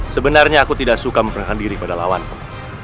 sebenarnya aku tidak suka memperhadiri pada lawanku